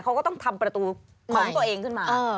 เขาก็ต้องทำประตูของตัวเองขึ้นมา